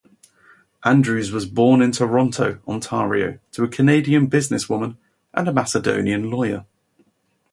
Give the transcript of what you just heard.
Andrews was born in Toronto, Ontario to a Canadian businesswoman and a Macedonian lawyer.